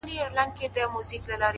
مري ارمان مي له بدنه یې ساه خېژي,